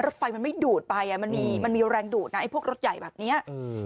ไฟมันไม่ดูดไปอ่ะมันมีมันมีแรงดูดนะไอ้พวกรถใหญ่แบบเนี้ยอืม